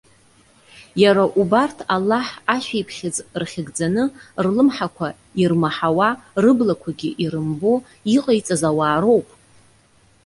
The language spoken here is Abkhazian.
Иара убарҭ Аллаҳ ашәиԥхьыӡ рхьыгӡаны, рлымҳақәа ирмаҳауа, рыблақәагьы ирымбо иҟаиҵаз ауаа роуп.